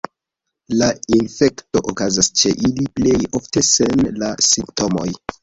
La infekto okazas ĉe ili plej ofte sen la simptomoj.